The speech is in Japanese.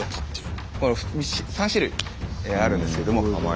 この３種類あるんですけども。